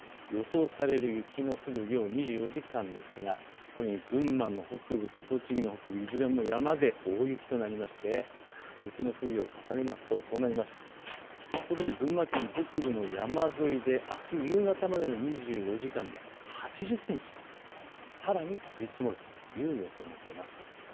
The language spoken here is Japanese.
予想される雪の降る量、２４時間ですが群馬の北部と栃木の北部、伊豆でも山で大雪となりまして雪を重ねますと群馬県北部の山沿いであす夕方までの２４時間で８０センチ、さらに降り積もるという予想になっています。